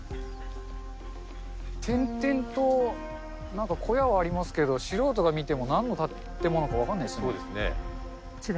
点々となんか小屋はありますけど、素人が見てもなんの建物か分からそうですね。